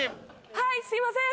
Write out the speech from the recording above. はいすいません！